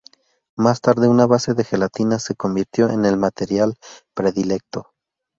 Más tarde, una base de gelatina se convirtió en el material predilecto.